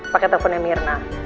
pakai teleponnya mirna